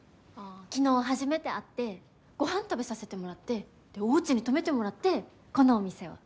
昨日初めて会ってごはん食べさせてもらってでおうちに泊めてもらってこのお店を。